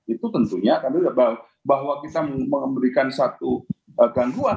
itu tentunya bahwa kita memberikan satu gangguan